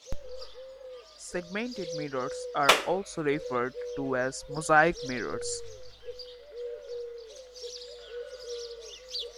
Segmented mirrors are also referred to as mosaic mirrors.